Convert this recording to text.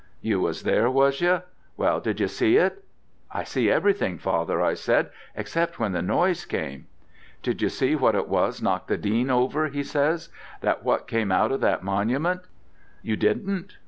'You was there, was you? Well did you see it?' 'I see everything, father,' I said, 'except when the noise came.' 'Did you see what it was knocked the Dean over?' he says, 'that what come out of the monument? You didn't?